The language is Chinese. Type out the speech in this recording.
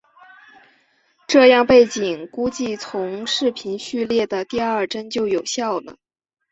这样背景估计从视频序列的第二帧就有效了。